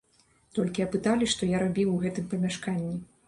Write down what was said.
Толькі апыталі, што я рабіў у гэтым памяшканні.